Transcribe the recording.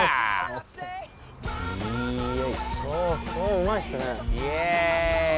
うまいっすね。